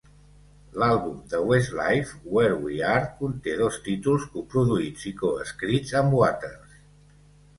L'àlbum de Westlife "Where We Are" conté dos títols coproduïts i coescrits amb Watters.